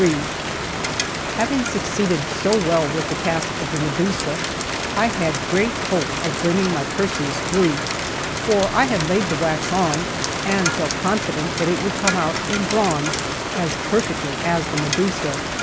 LXXIII HAVING succeeded so well with the cast of the Medusa, I had great hope of bringing my Perseus through; for I had laid the wax on, and felt confident that it would come out in bronze as perfectly as the Medusa.